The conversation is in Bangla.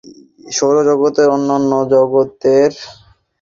সৌরজগতের অন্যান্য উপগ্রহগুলোতেও গ্রহণ লাগে।